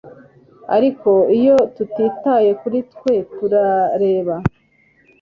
Ariko iyo tutitaye kuri twe turareba